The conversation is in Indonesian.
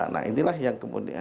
nah inilah yang kemudian